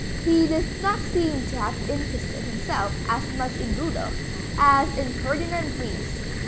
He does not seem to have interested himself as much in Rudolph as in Ferdinand Ries.